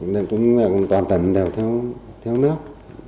nên cũng toàn tỉnh đều thiếu nước